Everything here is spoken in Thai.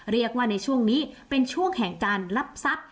เรียกว่าในช่วงนี้เป็นช่วงแห่งการรับทรัพย์